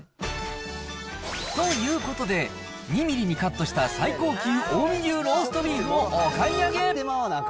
ということで、２ミリにカットした最高級近江牛ローストビーフをお買い上げ。